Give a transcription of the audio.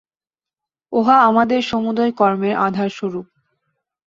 উহা আমাদের সমুদয় কর্মের আধারস্বরূপ।